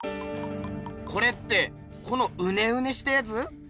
これってこのウネウネしたやつ？